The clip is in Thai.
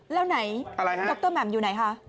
แล้วไหนดรแหม่มอยู่ไหนฮะอะไรฮะ